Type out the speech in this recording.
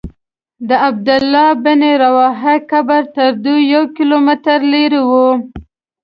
د عبدالله بن رواحه قبر تر دوی یو کیلومتر لرې و.